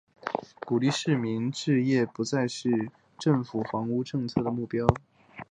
鼓励市民置业再不是政府房屋政策的目标。